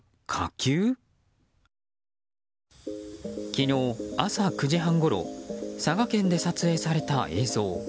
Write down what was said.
昨日朝９時半ごろ佐賀県で撮影された映像。